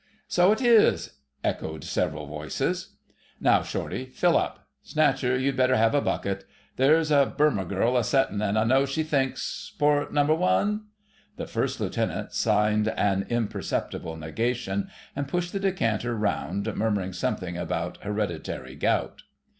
"So it is!" echoed several voices. "Now, Shortie, fill up! Snatcher, you'd better have a bucket.... 'There's a Burmah girl a settin' an' I know she thinks,'—port, Number One?" The First Lieutenant signed an imperceptible negation and pushed the decanter round, murmuring something about hereditary gout.